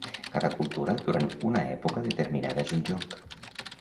Cada cultura durant una època determinada és un joc.